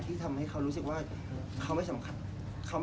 ที่ทำให้เขารู้สึกว่าเขาไม่สำคัญในชีวิตเราแล้ว